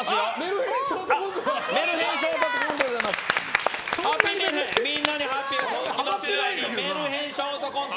メルヘンショートコント。